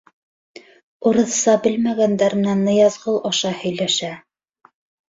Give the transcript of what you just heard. Урыҫса белмәгәндәр менән Ныязғол аша һөйләшә: